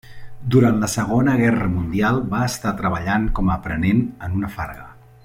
Durant la Segona Guerra Mundial va estar treballant com a aprenent en una farga.